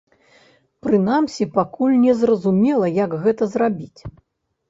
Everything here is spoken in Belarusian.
Прынамсі, пакуль не зразумела, як гэта зрабіць.